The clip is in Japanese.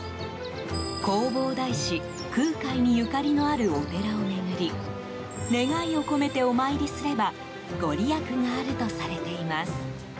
弘法大師・空海にゆかりのあるお寺を巡り願いを込めてお参りすればご利益があるとされています。